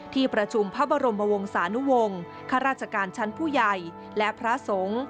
ที่ประชุมพระบรมวงศานุวงศ์ข้าราชการชั้นผู้ใหญ่และพระสงฆ์